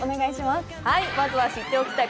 まずは知っておきたい